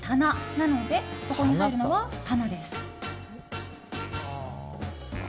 なので、ここに入るのはタナです。